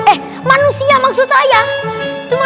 eh manusia maksudnya saya